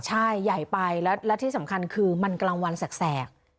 ใช่ใหญ่ไปและที่สำคัญคือมันกลางวันแสก